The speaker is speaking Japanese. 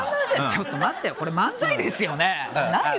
ちょっと待ってこれ漫才ですよね。